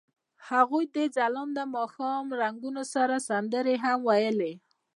هغوی د ځلانده ماښام له رنګونو سره سندرې هم ویلې.